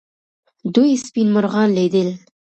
دوی سپین مرغان لیدل.